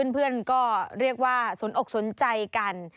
เพื่อนก็เรียกว่าสนอกสนใจกัน